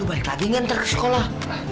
lo balik lagi nanti ke sekolah